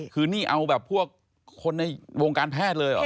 คือนี่เอาแบบพวกคนในวงการแพทย์เลยเหรอ